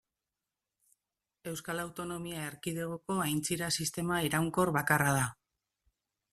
Euskal Autonomia Erkidegoko aintzira-sistema iraunkor bakarra da.